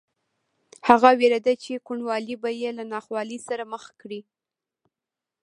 هغه وېرېده چې کوڼوالی به یې له ناخوالې سره مخ کړي